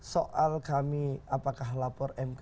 soal kami apakah laporannya